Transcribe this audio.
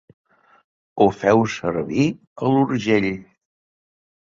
Ho feu servir a l'Urgell.